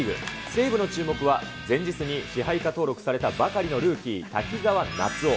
西武の注目は、前日に支配下登録されたばかりのルーキー、滝澤夏央。